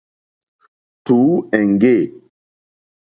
Tǔ èŋɡê.